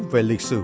về lịch sử